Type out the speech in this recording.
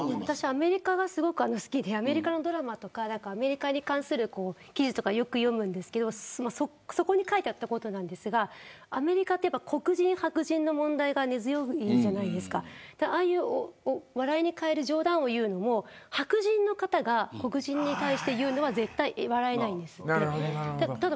私アメリカがすごく好きでアメリカのドラマとかアメリカに関する記事とかよく読むんですけどそこに書いてあったことですがアメリカは黒人白人の問題が根強くてああいう、笑いに変える冗談を言うのも白人の方が黒人に対して言うのは絶対に笑えないんですって。